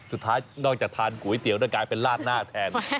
สุดท้ายนอกจากทานก๋วยเตี๋ยวได้กลายเป็นลาดหน้าแทน